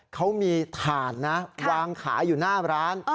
เขามีถ่านนะวางขายอยู่หน้าร้าน